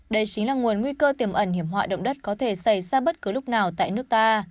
đây chính là nguồn nguy cơ tiềm ẩn hiểm họa động đất có thể xảy ra bất cứ lúc nào tại nước ta